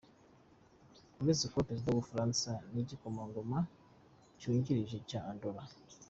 Uretse kuba perezida w’ubufaransa ni n’igikomangoma cyungirije cya Andorra.